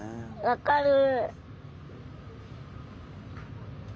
分かる。